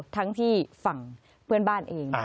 ทั้งที่ฝั่งเพื่อนบ้านเอง